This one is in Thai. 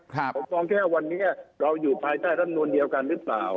ผมมองแค่วันนี้เราอยู่ภายใต้รำนวลเดียวกันหรือเปล่า